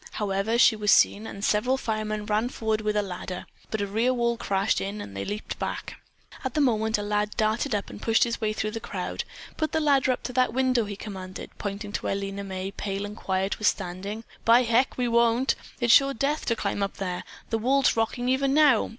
However, she was seen, and several firemen ran forward with a ladder, but a rear wall crashed in and they leaped back. At that moment a lad darted up and pushed his way through the crowd. "Put the ladder up to that window," he commanded, pointing to where Lena May, pale and quiet, was still standing. "By heck, we won't! It's sure death to climb up there. The wall's rocking even now.